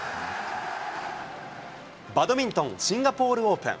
バドミントン、シンガポールオープン。